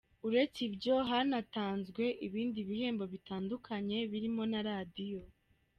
Uretse ibyo, hanatazwe ibindi bihembo bitandukanye birimo na radiyo.